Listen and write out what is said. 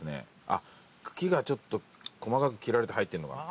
あっ茎がちょっと細かく切られて入ってんのかな。